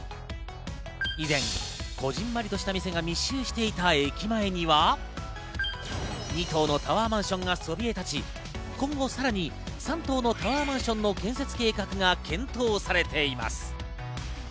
以前、小ぢんまりとした店が密集していた駅前には２棟のタワーマンションがそびえ立ち、今後、さらに３棟のタワーマンションの建設計画が検討されています。